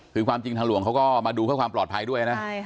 คือความจริงทางหลวงเขาก็มาดูเพื่อความปลอดภัยด้วยนะ